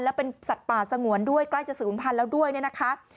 แล้วเป็นสัตว์ป่าสงวนด้วยใกล้จะสื่อภูมิภัณฑ์แล้วด้วยนะคะ